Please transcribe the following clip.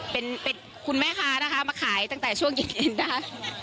เป็นคุณแม่ค้านะคะมาขายตั้งแต่ช่วงเย็นนะคะ